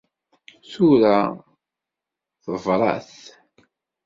Tura tebṛat.